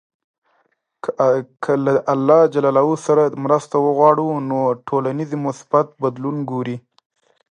که له الله ج سره مرسته وغواړو، نو ټولنیز مثبت بدلون ګورﻱ.